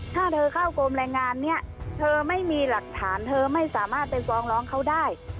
ถ้าเธอเข้ากรมแรงงานเนี่ยเธอไม่มีหลักฐานเธอไม่สามารถไปฟ้องร้องเขาได้